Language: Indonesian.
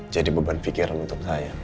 beban pikiran untuk saya